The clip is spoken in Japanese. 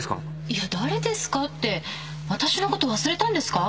いや誰ですかって私のこと忘れたんですか？